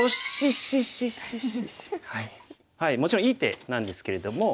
もちろんいい手なんですけれども。